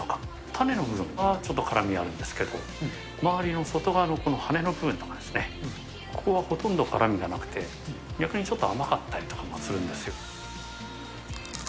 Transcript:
種の部分はちょっと辛みがあるんですけど、周りの外側のこの羽根の部分は、ここはほとんど辛みがなくて、逆にちょっと甘かったりとかもするんですよ。